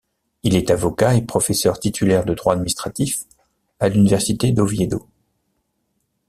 Il est avocat et professeur titulaire de droit administratif à l'université d'Oviedo.